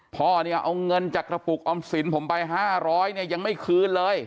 พ่อเนี่ยเอาเงินจากกระปุกออมสินผมไป๕๐๐เนี่ยยังไม่คืนเลย